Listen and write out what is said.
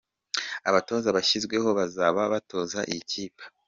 Abatoza bashyizweho bazaba batoza iyi kipe.